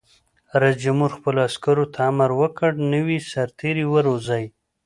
رئیس جمهور خپلو عسکرو ته امر وکړ؛ نوي سرتېري وروزیئ!